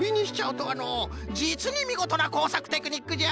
じつにみごとなこうさくテクニックじゃ。